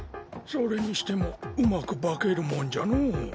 それにしてもうまく化けるもんじゃのう。